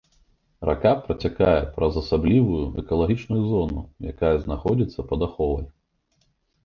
Рака працякае праз асаблівую экалагічную зону, якая знаходзіцца пад аховай.